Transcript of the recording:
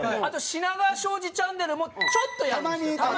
「品川庄司チャンネル」もちょっとやるんですよ。